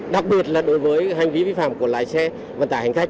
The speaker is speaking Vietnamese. đặc biệt là đối với hành vi vi phạm của lái xe vận tải hành khách